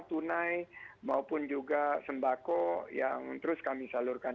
tunai maupun juga sembako yang terus kami salurkan